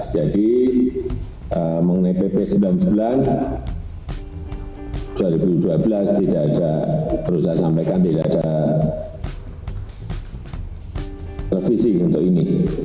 jadi mengenai pp sembilan puluh sembilan tahun dua ribu dua belas tidak ada perusahaan sampaikan tidak ada revisi untuk ini